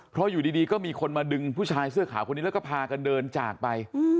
เพราะอยู่ดีก็มีคนมาดึงผู้ชายเสื้อขาวคนนี้แล้วก็พากันเดินจากไป